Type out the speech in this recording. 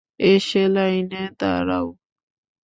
এসে লাইনে দাঁড়াও।